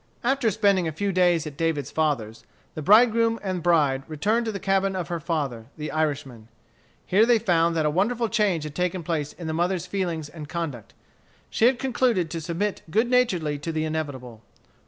After spending a few days at David's father's, the bridegroom and bride returned to the cabin of her father, the Irishman. Here they found that a wonderful change had taken place in the mother's feelings and conduct. She had concluded to submit good naturedly to the inevitable.